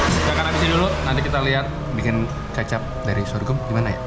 saya akan habisin dulu nanti kita ingat bikin kecap dari sorghum ini gimana ya